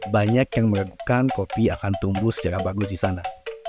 banyak yang melakukan kopi akan tumbuh secara bagus di sana